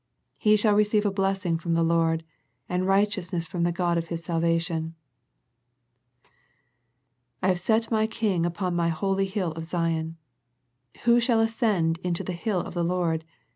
He shall receive a blessing from the Lord, And righteousness from the God of His salvation." " I have set My King upon My holy hill of Zion." "Who shall ascend into the hill of the Lord?